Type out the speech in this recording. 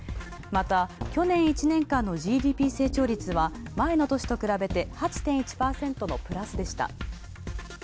また去年１年間のＧＤＰ成長率は前の年と比べて８．１％のプラスでした。